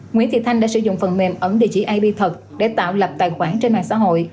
nguyễn thị thanh đã sử dụng phần mềm ẩn địa chỉ ip thật để tạo lập tài khoản trên mạng xã hội